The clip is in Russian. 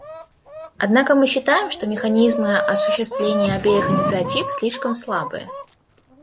Однако мы считаем, что механизмы осуществления обеих инициатив слишком слабые.